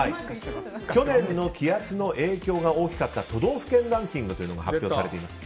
去年の気圧の影響が大きかった都道府県ランキングというものが発表されています。